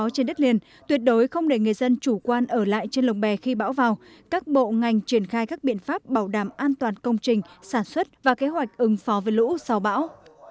trên lồng bè khi bão vào các bộ ngành triển khai các biện pháp bảo đảm an toàn công trình sản xuất và kế hoạch ứng phó với lũ sau bão